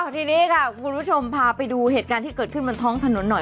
ทีนี้ค่ะคุณผู้ชมพาไปดูเหตุการณ์ที่เกิดขึ้นบนท้องถนนหน่อย